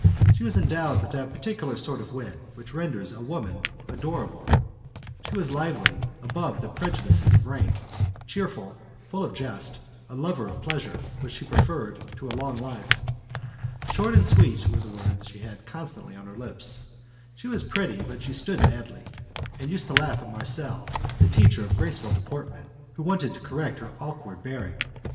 She was endowed with that particular sort of wit which renders a woman adorable. She was lively, above the prejudices of rank, cheerful, full of jest, a lover of pleasure, which she preferred to a long life. "Short and sweet," were the words she had constantly on her lips. She was pretty but she stood badly, and used to laugh at Marcel, the teacher of graceful deportment, who wanted to correct her awkward bearing.